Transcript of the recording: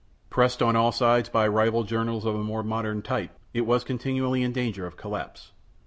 Pressed on all sides by rival journals of a more modern type, it was continually in danger of collapse.